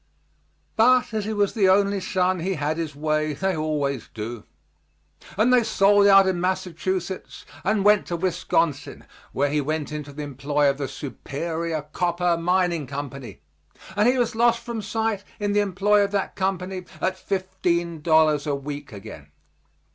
But as he was the only son he had his way they always do; and they sold out in Massachusetts and went to Wisconsin, where he went into the employ of the Superior Copper Mining Company, and he was lost from sight in the employ of that company at fifteen dollars a week again.